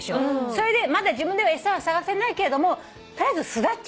それでまだ自分では餌は探せないけれども取りあえず巣立っちゃう。